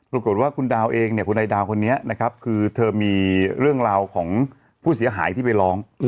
ปรากฏว่าคุณดาวเองเนี่ยคุณนายดาวคนนี้นะครับคือเธอมีเรื่องราวของผู้เสียหายที่ไปร้อง